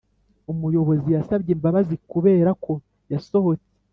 umuyobozi yasabye imbabazi kuberako yasohotse.